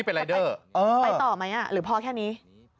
ไปต่อไหมหรือพอแค่นี้